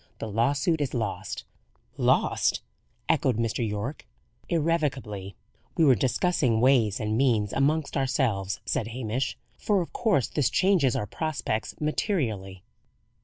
"The lawsuit is lost." "Lost!" echoed Mr. Yorke. "Irrevocably. We were discussing ways and means amongst ourselves," said Hamish, "for of course this changes our prospects materially."